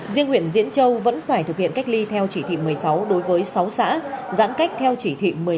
riêng huyện diễn châu vẫn phải thực hiện cách ly theo chỉ thị một mươi sáu đối với sáu xã giãn cách theo chỉ thị một mươi năm